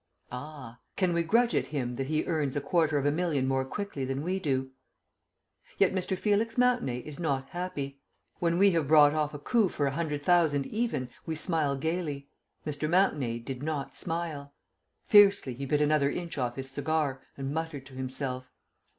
Ah! Can we grudge it him that he earns a quarter of a million more quickly than we do? Yet Mr. Felix Mountenay is not happy. When we have brought off a coup for a hundred thousand even, we smile gaily. Mr. Mountenay did not smile. Fiercely he bit another inch off his cigar, and muttered to himself.